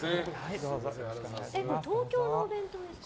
これ、東京のお弁当ですか？